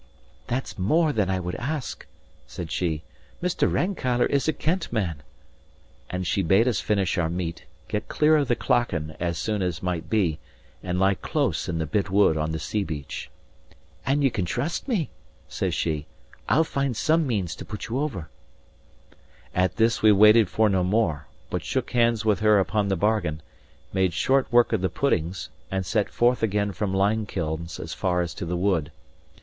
"That's more than I would ask," said she. "Mr. Rankeillor is a kennt man." And she bade us finish our meat, get clear of the clachan as soon as might be, and lie close in the bit wood on the sea beach. "And ye can trust me," says she, "I'll find some means to put you over." At this we waited for no more, but shook hands with her upon the bargain, made short work of the puddings, and set forth again from Limekilns as far as to the wood.